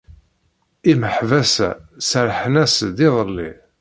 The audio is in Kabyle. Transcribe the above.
Imeḥbas-a serrḥen-asen-d iḍelli.